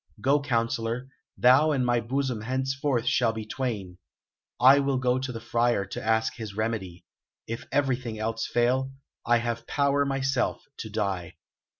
Go, counsellor; thou and my bosom henceforth shall be twain. I will go to the Friar to ask his remedy. If everything else fail, I have power myself to die."